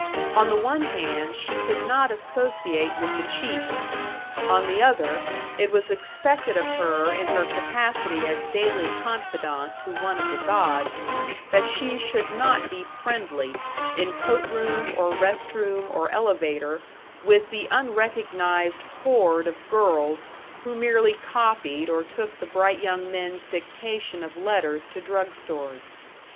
On the one hand she could not associate with the chiefs; on the other, it was expected of her in her capacity as daily confidante to one of the gods, that she should not be friendly, in coat room or rest room or elevator, with the unrecognized horde of girls who merely copied or took the bright young men's dictation of letters to drug stores.